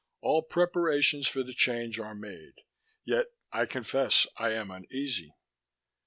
All preparations for the Change are made, yet I confefs I am uneasy....